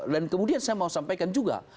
dan kemudian saya mau sampaikan juga